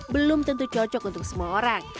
belum tentu cocok untuk semua orang